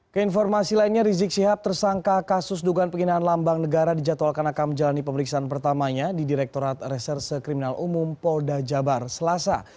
keinformasi lainnya rizik syihab tersangka kasus dugaan penghinaan lambang negara dijadwalkan akan menjalani pemeriksaan pertamanya di direktorat reserse kriminal umum polda jabar selasa